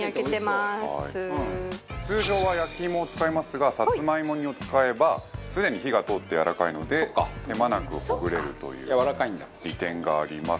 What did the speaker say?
齊藤：通常は焼き芋を使いますがさつまいも煮を使えばすでに火が通ってやわらかいので手間なく、ほぐれるという利点があります。